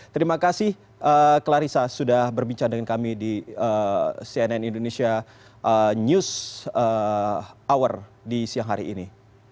terima kasih clarissa sudah berbincang dengan kami di cnn indonesia news hour di siang hari ini